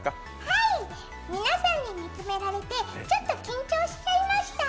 はい、皆さんに見つめられてちょっと緊張しちゃいました。